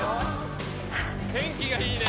天気がいいね！